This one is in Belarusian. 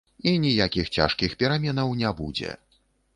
І ніякіх цяжкіх пераменаў не будзе.